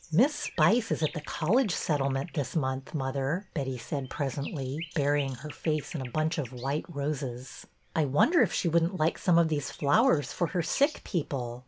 Miss Spice is at the College Settlement this month, mother," Betty said presently, burying her face in a bunch of white roses. I wonder if she would n't like some of these flowers for her sick people."